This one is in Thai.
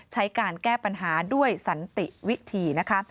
ใช้การแก้ปัญหาด้วยสันติวิธีนะคะ